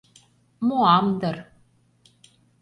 Муам дыр...